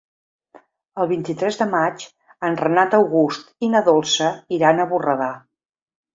El vint-i-tres de maig en Renat August i na Dolça iran a Borredà.